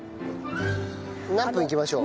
何分いきましょう？